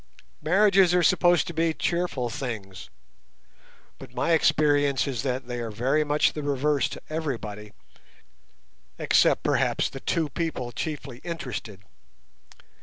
Marriages are supposed to be cheerful things, but my experience is that they are very much the reverse to everybody, except perhaps the two people chiefly interested.